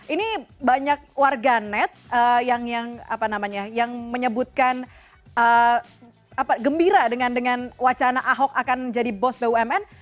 ini banyak warga net yang menyebutkan gembira dengan wacana ahok akan jadi bos bumn